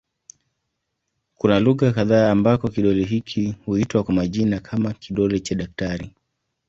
Kuna lugha kadha ambako kidole hiki huitwa kwa majina kama "kidole cha daktari".